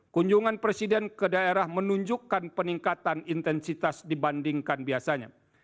kunjungan presiden ke daerah menunjukkan peningkatan intensitas dibandingkan biasanya